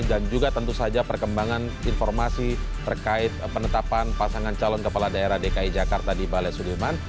dan juga tentu saja perkembangan informasi terkait penetapan pasangan calon kepala daerah dki jakarta di balai sudirman